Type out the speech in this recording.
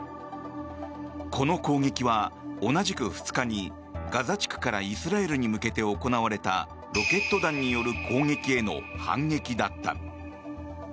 この攻撃は同じく２日にガザ地区からイスラエルに向けて行われたロケット弾による攻撃への反撃だった。